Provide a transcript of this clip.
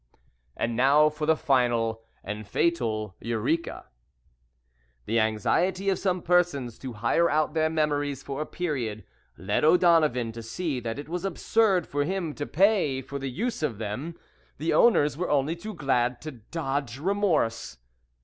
And now for the final and fatal "Eureka." The anxiety of some persons to hire out their memories for a period led O'Donovan to see that it was absurd for him to pay for the use of them. The owners were only too glad to dodge remorse.